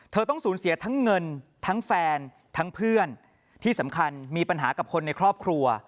ต้องสูญเสียทั้งเงินทั้งแฟนทั้งเพื่อนที่สำคัญมีปัญหากับคนในครอบครัว